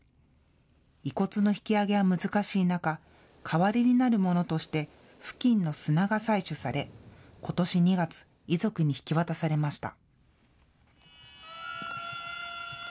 遺骨の引き上げは難しい中、代わりになるものとして付近の砂が採取され、ことし２月、遺族に引き渡されました。